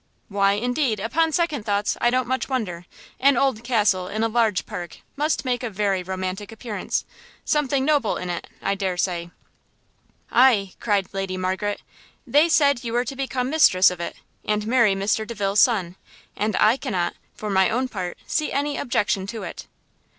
"Why, indeed, upon second thoughts, I don't much wonder; an old castle in a large park must make a very romantic appearance; something noble in it, I dare say." "Aye," cried Lady Margaret, "they said you were to become mistress of it, and marry Mr Delvile's son and I cannot, for my own part, see any objection to it."